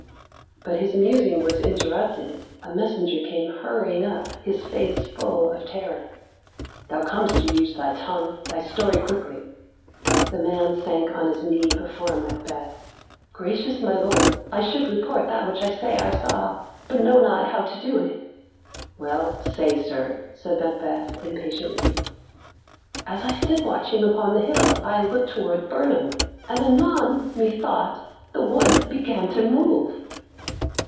But his musing was interrupted; a messenger came hurrying up, his face full of terror. "Thou comest to use thy tongue; thy story quickly." The man sank on his knee before Macbeth. "Gracious my lord, I should report that which I say I saw, but know not how to do it." "Well, say, sir," said Macbeth impatiently. "As I stood watching upon the hill, I looked towards Birnam, and anon, methought, the wood began to move."